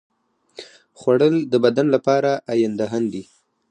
خوړل د بدن لپاره ایندھن دی